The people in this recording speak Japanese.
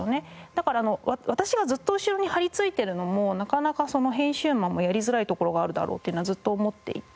だから私がずっと後ろに張りついてるのもなかなか編集マンもやりづらいところがあるだろうっていうのはずっと思っていて。